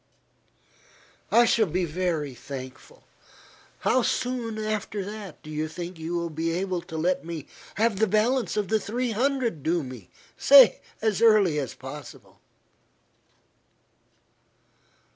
"I shall be very thankful. How soon after do you think you will be able to let me have the balance of the three hundred due me. Say as early as possible."